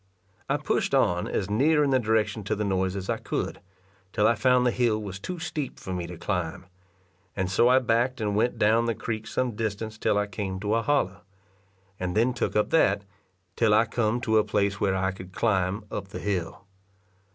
I pushed on as near in the direction to the noise as I could, till I found the hill was too steep for me to climb, and so I backed and went down the creek some distance till I came to a hollow, and then took up that, till I come to a place where I could climb up the hill.